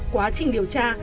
quá trình điều tra